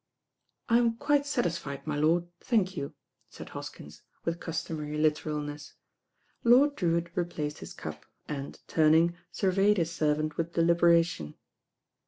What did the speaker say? "I'm quite satisfied, my lord, thank you," said Hoskins, with customary literalness. Lord Drcwitt replaced his cup and, turning, sur veyed his servant with deliberation.